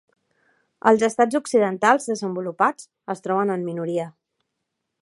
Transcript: Els estats occidentals desenvolupats es troben en minoria.